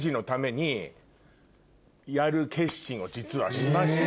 やる決心を実はしまして。